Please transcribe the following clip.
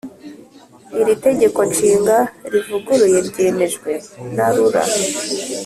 Iri Tegeko Nshinga rivuguruye ryemejwe na rura